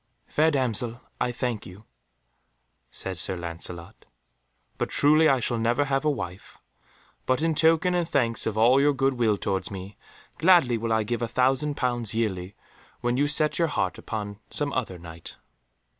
"Fair damsel, I thank you," said Sir Lancelot, "but truly I shall never have a wife. But in token and thanks of all your good will towards me, gladly will I give a thousand pounds yearly when you set your heart upon some other Knight."